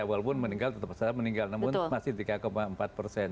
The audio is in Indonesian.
walaupun meninggal tetap besar meninggal enam persen masih tiga empat persen